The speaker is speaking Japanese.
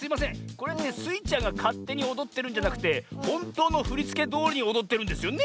これってスイちゃんがかってにおどってるんじゃなくてほんとうのふりつけどおりにおどってるんですよね？